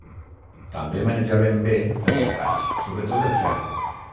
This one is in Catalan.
També manejaven bé els metalls, sobretot el ferro.